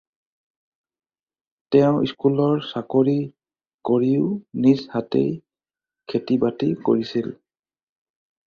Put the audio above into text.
তেওঁ স্কুলৰ চাকৰি কৰিও নিজ হাতেই খেতি-বাতি কৰিছিল।